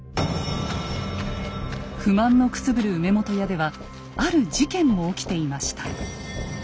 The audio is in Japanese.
不満のくすぶる梅本屋ではある事件も起きていました。